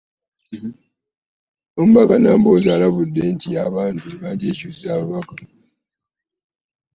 Omubaka Nambooze alabudde nti abantu bandyekyusizza ababaka